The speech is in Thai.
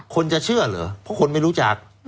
คนจะเชื่อเหรอเพราะคนไม่รู้จัก